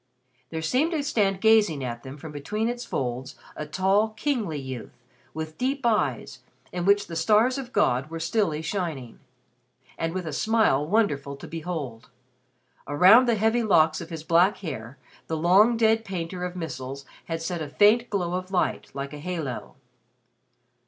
There seemed to stand gazing at them from between its folds a tall kingly youth with deep eyes in which the stars of God were stilly shining, and with a smile wonderful to behold. Around the heavy locks of his black hair the long dead painter of missals had set a faint glow of light like a halo.